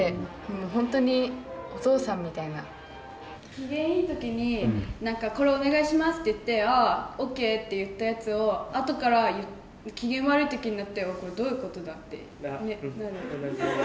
ほんとに機嫌いい時に「これお願いします」って言って「ああＯＫ」って言ったやつをあとから機嫌悪い時になって「これどういうことだ」ってなる。